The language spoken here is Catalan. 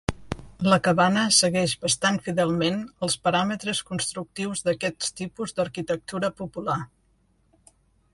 La cabana segueix bastant fidelment els paràmetres constructius d'aquests tipus d'arquitectura popular.